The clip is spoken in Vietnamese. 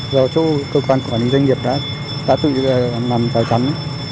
do chủ cơ quan quản lý doanh nghiệp đã tự làm rào chắn